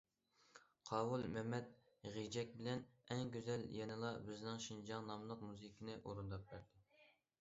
قاۋۇل مەمەت غېجەك بىلەن« ئەڭ گۈزەل يەنىلا بىزنىڭ شىنجاڭ» ناملىق مۇزىكىنى ئورۇنداپ بەردى.